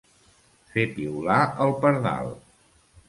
Fer piular el pardal.